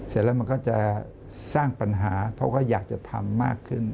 เสร็จแล้วมันก็จะสร้างปัญหาเพราะว่าอยากจะทำมากขึ้น